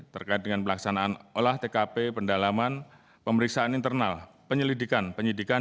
terkait dengan pelaksanaan olah tkp pendalaman pemeriksaan internal penyelidikan penyidikan